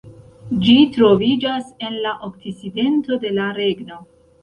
Ĝi troviĝas en la okcidento de la regno.